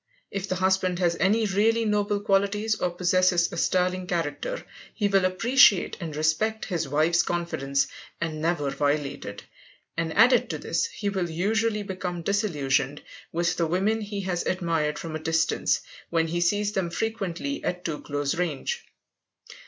If the husband has any really noble qualities or possesses a sterling character, he will appreciate and respect his wife's confidence, and never violate it; and added to this, he will usually become disillusioned with the women he has admired from a distance, when he sees them frequently at too close range.